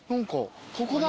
ここだ。